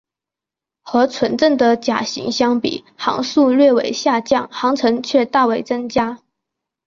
和纯正的甲型相比航速略为下降航程却大为增加。